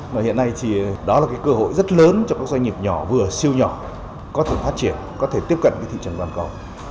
mà hiện nay thì đó là cái cơ hội rất lớn cho các doanh nghiệp nhỏ vừa siêu nhỏ có thể phát triển có thể tiếp cận với thị trường toàn cầu